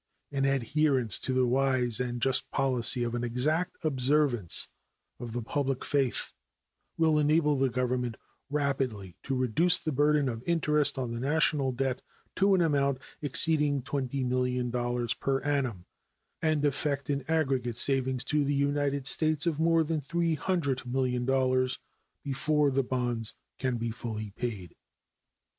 An adherence to the wise and just policy of an exact observance of the public faith will enable the Government rapidly to reduce the burden of interest on the national debt to an amount exceeding $20,000,000 per annum, and effect an aggregate saving to the United States of more than $300,000,000 before the bonds can be fully paid.